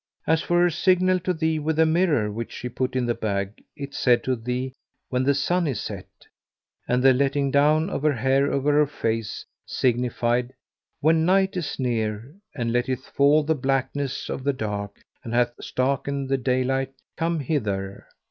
As for her signal to thee with the mirror which she put in the bag, it said to thee, When the sun is set; and the letting down of her hair over her face signified, When night is near and letteth fall the blackness of the dark and hath starkened the daylight, come hither.